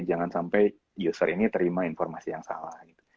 jangan sampai user ini terima informasi yang salah